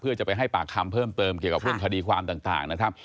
เพื่อจะไปให้ปากคำเพิ่มเติมเกี่ยวกับเรื่องคดีความต่างนะครับ